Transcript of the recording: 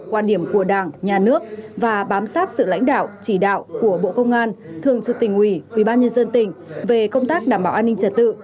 quan điểm của đảng nhà nước và bám sát sự lãnh đạo chỉ đạo của bộ công an thường trực tỉnh ủy ubnd tỉnh về công tác đảm bảo an ninh trật tự